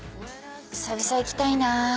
久々行きたいな。